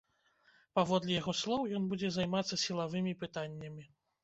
Паводле яго слоў, ён будзе займацца сілавымі пытаннямі.